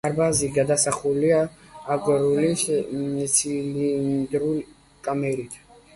დარბაზი გადახურულია აგურის ცილინდრული კამარით.